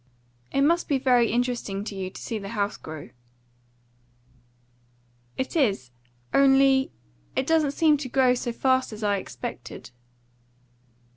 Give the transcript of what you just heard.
"It must be very interesting to you to see the house grow." "It is. Only it doesn't seem to grow so fast as I expected."